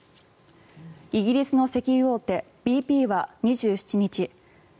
イギリスの石油大手ＢＰは２７日